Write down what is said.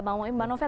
terima kasih pak pak